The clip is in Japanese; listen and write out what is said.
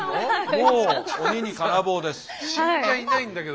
もう「鬼に金棒」です。